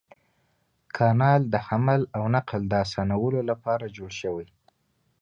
کانال د حمل او نقل د اسانولو لپاره جوړ شوی.